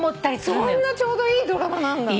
そんなちょうどいいドラマなんだ。